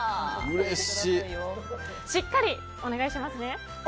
しっかりお願いしますね。